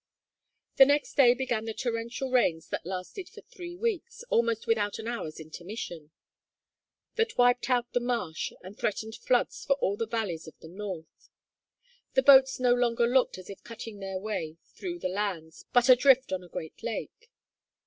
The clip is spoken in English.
The next day began the torrential rains that lasted for three weeks, almost without an hour's intermission; that wiped out the marsh, and threatened floods for all the valleys of the north. The boats no longer looked as if cutting their way through the lands, but adrift on a great lake.